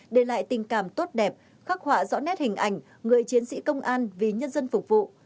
để lại tình cảm tốt đẹp khắc họa rõ nét hình ảnh người chiến sĩ công an vì nhân dân phục vụ